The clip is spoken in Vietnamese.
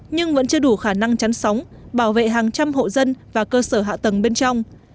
nhưng vẫn chưa đủ khả năng chắn sóng bảo vệ hàng trăm hộ dân và cơ sở hạ tầng bên trong